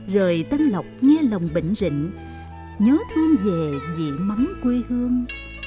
rời tân lộc nghe lòng bệnh rịnh nhớ thương về vị mắm quê hương